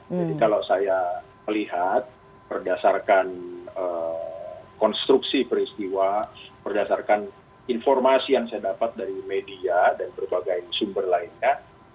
jadi kalau saya melihat berdasarkan konstruksi peristiwa berdasarkan informasi yang saya dapat dari media dan berbagai sumber lainnya